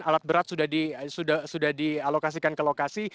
alat berat sudah dialokasikan ke lokasi